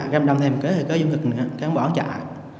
cứ em đâm thêm một kế thì cứ vô ngược nữa cứ không bỏ chạy